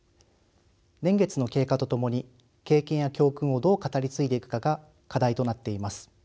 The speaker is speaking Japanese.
年月の経過とともに経験や教訓をどう語り継いでいくかが課題となっています。